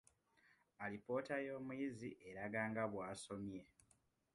Alipoota y'omuyizi eraga nga bw'asomye.